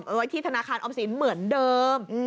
ไว้ที่ธนาคารออมสินเหมือนเดิม